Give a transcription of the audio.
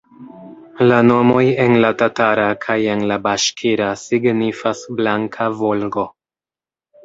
La nomoj en la tatara kaj en la baŝkira signifas "blanka Volgo".